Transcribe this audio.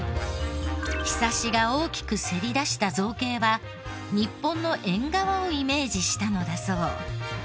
庇が大きくせり出した造形は日本の縁側をイメージしたのだそう。